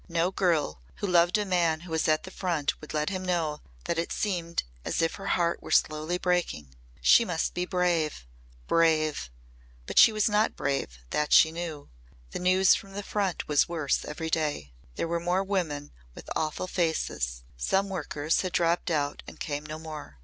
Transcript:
No girl who loved a man who was at the Front would let him know that it seemed as if her heart were slowly breaking. She must be brave brave! But she was not brave, that she knew. The news from the Front was worse every day; there were more women with awful faces; some workers had dropped out and came no more.